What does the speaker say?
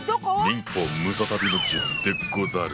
忍法ムササビの術でござる。